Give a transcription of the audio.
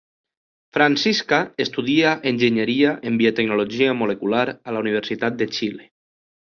Francisca estudia Enginyeria en Biotecnologia Molecular a la Universitat de Xile.